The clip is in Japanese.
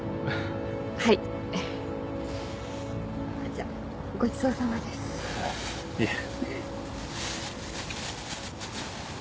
じゃごちそうさまです。いえ。